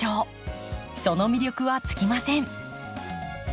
その魅力は尽きません。